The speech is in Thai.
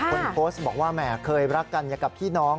คนโพสต์บอกว่าแหมเคยรักกันอย่างกับพี่น้อง